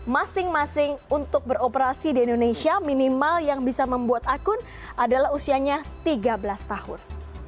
masing masing untuk beroperasi di indonesia minimal yang bisa membuat akun adalah usianya tiga belas tahun